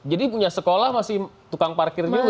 jadi punya sekolah masih tukang parkir juga gitu